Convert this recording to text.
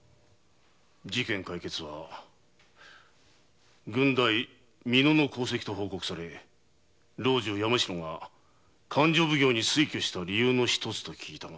事件解決は郡代美濃の功績と報告され老中山代が勘定奉行に推挙した理由の一つと聞いたが。